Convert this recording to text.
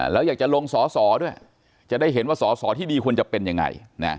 แล้วอยากจะลงสอสอด้วยจะได้เห็นว่าสอสอที่ดีควรจะเป็นยังไง